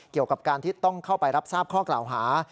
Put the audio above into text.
เกี่ยวกับการที่ต้องเข้าไปรับทราบข้อกล่าวหา